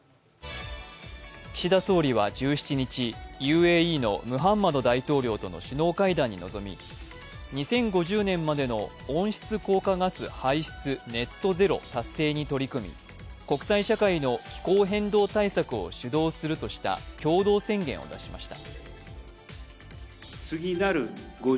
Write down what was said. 岸田総理は１７日、ＵＡＥのムハンマド大統領との首脳会談に臨み、２０５０年までの温室効果ガス排出ネット・ゼロ達成に取組、国際社会の機構変動対策を主導するとした共同宣言を出しました。